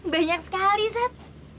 banyak sekali sat